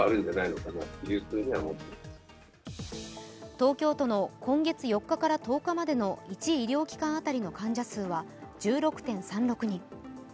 東京都の今月４日から１０日までの１医療期間当たりの患者数は１６．３６人。